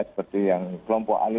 seperti yang kelompok alif